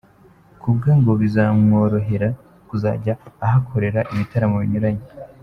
Kubwe ngo bizamworohera kuzajya ahakorera ibitaramo binyuranye.